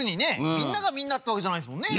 みんながみんなってわけじゃないですもんね。